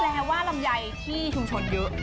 แปลว่าลำไยที่ชุมชนเยอะ